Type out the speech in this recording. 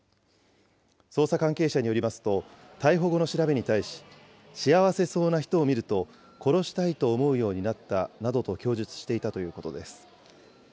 捜査関係者によりますと、逮捕後の調べに対し、幸せそうな人を見ると、殺したいと思うようになったなどと供述していたということです。